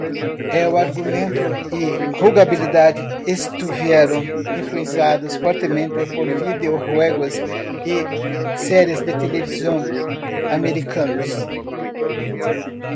El argumento y jugabilidad estuvieron influenciados fuertemente por videojuegos y series de televisión americanos.